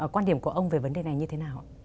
quan điểm của ông về vấn đề này như thế nào ạ